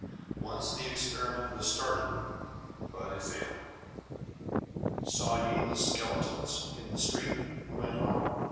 Once the experiment was started, but it failed. "Saw ye the skeletons in the streets?" he went on.